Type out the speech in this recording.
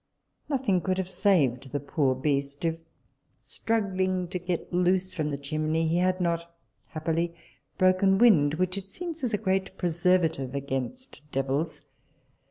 Nothing could have saved the poor beast, if, struggling to get loose from the chimney, he had not happily broken wind, which it seems is a great preservative against devils.